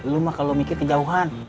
lu mah kalau mikir kejauhan